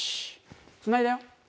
つないだよ。